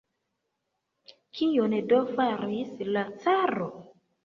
Kion do faris la caro?